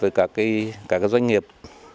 với các doanh nghiệp